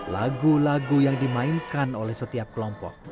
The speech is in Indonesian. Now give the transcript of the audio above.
lagu lagu yang dimainkan oleh setiap kelompok